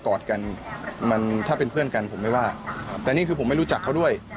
กอดกันมันถ้าเป็นเพื่อนกันผมไม่ว่าแต่นี่คือผมไม่รู้จักเขาด้วย